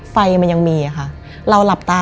ไฟมันยังมีค่ะเราหลับตา